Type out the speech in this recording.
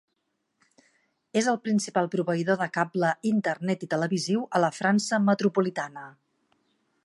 És el principal proveïdor de cable internet i televisiu a la França metropolitana.